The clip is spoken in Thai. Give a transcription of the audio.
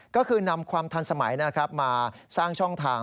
ก็คือนำความทันสมัยมาสร้างช่องทาง